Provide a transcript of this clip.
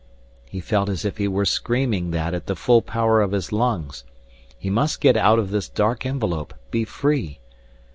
he felt as if he were screaming that at the full power of his lungs. He must get out of this dark envelope, be free.